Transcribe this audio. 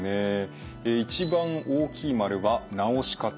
え一番大きい丸は「治し方」。